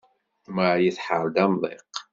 Mari tḥerr-d amḍiq.